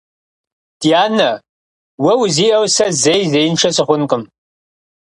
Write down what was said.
Дянэ, уэ узиӀэу сэ зэи зеиншэ сыхъунукъым.